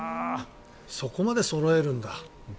そこまでそろえるんだ。